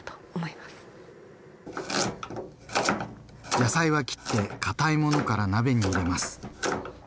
野菜は切って堅いものから鍋に入れます。